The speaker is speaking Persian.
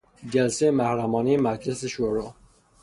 جلسهی محرمانهی مجلس شورا